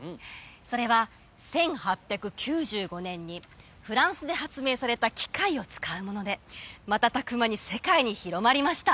それは１８９５年にフランスで発明された機械を使うもので瞬く間に世界に広まりました